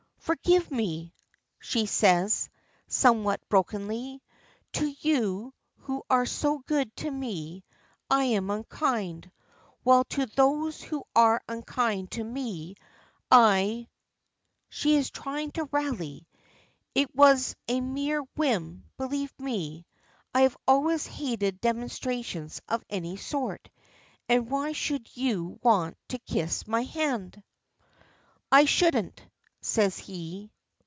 "Forgive me," she says, somewhat brokenly. "To you, who are so good to me, I am unkind, while to those who are unkind to me I " She is trying to rally. "It was a mere whim, believe me. I have always hated demonstrations of any sort, and why should you want to kiss my hand?" "I shouldn't," says he.